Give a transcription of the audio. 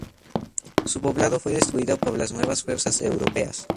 Su poblado fue destruido por las nuevas fuerzas europeas.